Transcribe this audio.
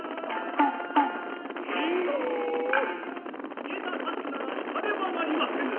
入れた太刀なら引かねばなりませぬ。